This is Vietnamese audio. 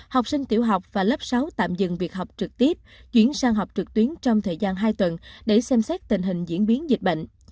học sinh tiểu học và lớp sáu tạm dừng việc học trực tiếp chuyển sang học trực tuyến trong thời gian hai tuần để xem xét tình hình diễn biến dịch bệnh